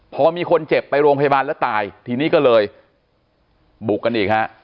พอมีคนเจ็บไปโรงพยาบาลแล้วตายทีนี้ก็เลยบุกกันอีกฮะ